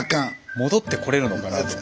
戻ってこれるのかなとか。